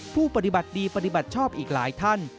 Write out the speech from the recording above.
ผู้ปฏิบัติดีปฏิบัติชอบอีกหลายท่าน